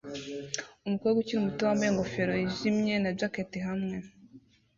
umukobwa ukiri muto wambaye ingofero yijimye na jacket hamwe